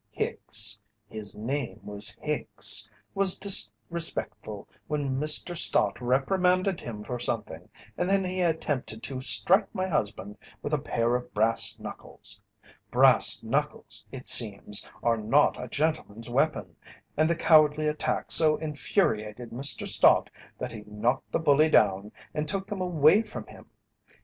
"Hicks his name was Hicks was disrespectful when Mr. Stott reprimanded him for something, and then he attempted to strike my husband with a pair of brass knuckles. Brass knuckles, it seems, are not a gentleman's weapon, and the cowardly attack so infuriated Mr. Stott that he knocked the bully down and took them away from him.